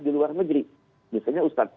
di luar negeri biasanya ustadz